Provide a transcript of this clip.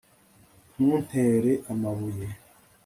ntutere amabuye